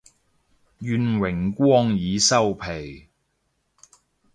願榮光已收皮